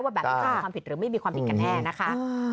แบบนี้จะมีความผิดหรือไม่มีความผิดกันแน่นะคะ